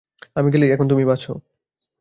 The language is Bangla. আমি গেলেই এখন তুমি বাঁচো।